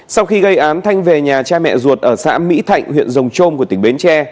sau khi gây án thanh về nhà cha mẹ ruột ở xã mỹ thạnh huyện rồng trôm của tỉnh bến tre